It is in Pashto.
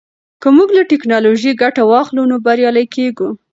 که موږ له ټیکنالوژۍ ګټه واخلو نو بریالي کیږو.